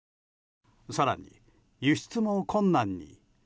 更に、輸出も困難に。